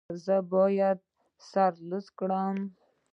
ایا زه باید سر لوڅ کړم؟